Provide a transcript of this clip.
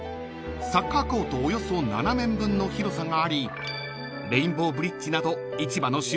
［サッカーコートおよそ７面分の広さがありレインボーブリッジなど市場の周辺を一望］